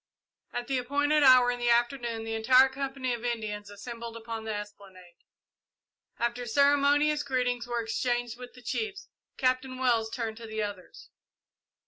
At the appointed hour in the afternoon the entire company of Indians assembled upon the esplanade. After ceremonious greetings were exchanged with the chiefs, Captain Wells turned to the others.